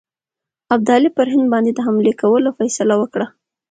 ابدالي پر هند باندي د حملې کولو فیصله وکړه.